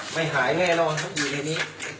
ไม่หายแน่นอนครับอยู่ในนี้